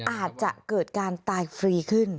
อาจจะเกิดการตายฟรีขึ้น